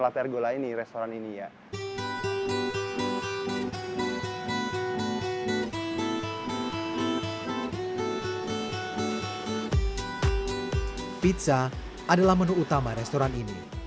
pisa adalah menu utama restoran ini